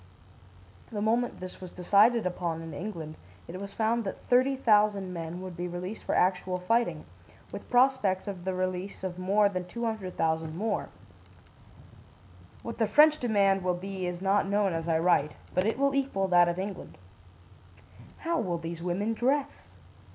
The moment this was decided upon in England, it was found that 30,000 men would be released for actual fighting, with prospects of the release of more than 200,000 more. What the French demand will be is not known as I write, but it will equal that of England. "How will these women dress?